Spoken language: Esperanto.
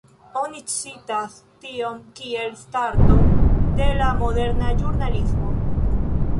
Oni citas tion kiel starto de la moderna ĵurnalismo.